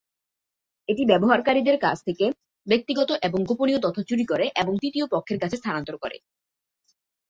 এটি ব্যবহারকারীর কাছ থেকে ব্যক্তিগত এবং গোপনীয় তথ্য চুরি করে এবং তৃতীয় পক্ষের কাছে স্থানান্তর করে।